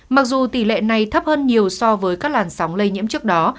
mặc dù tỷ lệ này thấp hơn nhiều so với các làn sóng lây nhiễm trước đó